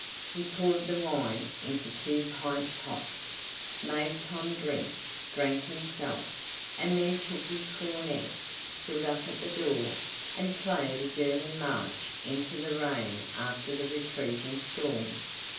He poured the wine into two pint pots, made Tom drink, drank himself, and then took his cornet, stood up at the door, and played a German march into the rain after the retreating storm.